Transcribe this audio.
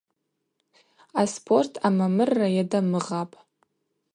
Аспорт амамырра йадамыгъапӏ.